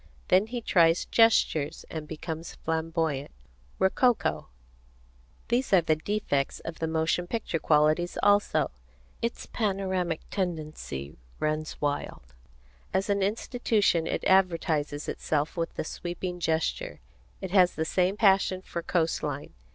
Then he tries gestures, and becomes flamboyant, rococo. These are the defects of the motion picture qualities also. Its panoramic tendency runs wild. As an institution it advertises itself with the sweeping gesture. It has the same passion for coast line.